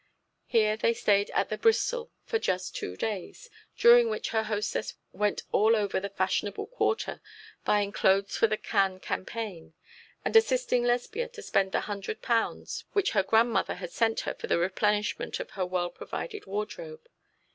Here they stayed at the Bristol for just two days, during which her hostess went all over the fashionable quarter buying clothes for the Cannes campaign, and assisting Lesbia to spend the hundred pounds which her grandmother had sent her for the replenishment of her well provided wardrobe.